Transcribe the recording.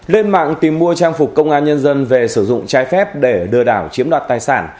lên mạng tìm mua trang phục công an nhân dân về sử dụng trái phép để lừa đảo chiếm đoạt tài sản